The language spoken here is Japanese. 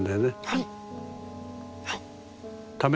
はい。